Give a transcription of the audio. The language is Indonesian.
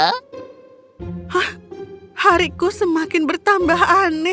hah hariku semakin bertambah aneh